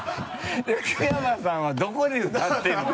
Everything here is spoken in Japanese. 福山さんはどこで歌ってるの？